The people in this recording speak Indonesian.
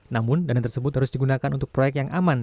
namun dana tersebut harus digunakan untuk proyek yang aman